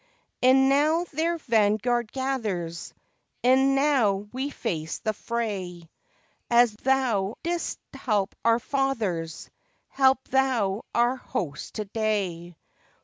E'en now their vanguard gathers, E'en now we face the fray As Thou didst help our fathers, Help Thou our host to day!